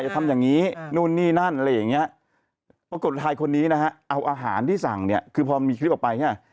ก็เอาอาหารที่สั่งเนี่ยคือพอมีคลิปออกไปเนี่ย